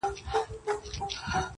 بوی د اصیل ګلاب په کار دی!.